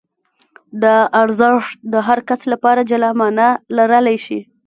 دا ارزښت د هر کس لپاره جلا مانا لرلای شي.